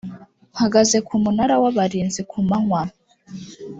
mpagaze ku munara w’abarinzi ku manywa